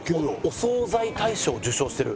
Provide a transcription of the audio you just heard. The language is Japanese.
お惣菜大賞受賞してる。